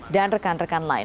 dan rekan rekan lain